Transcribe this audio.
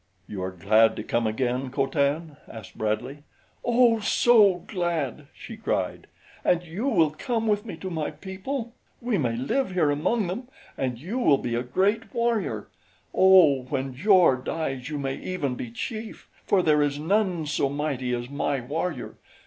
"You are glad to come again, Co Tan?" asked Bradley. "Oh, so glad!" she cried. "And you will come with me to my people? We may live here among them, and you will be a great warrior oh, when Jor dies you may even be chief, for there is none so mighty as my warrior.